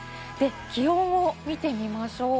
気温を見てみましょう。